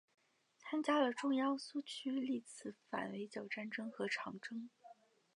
参加了中央苏区历次反围剿战争和长征。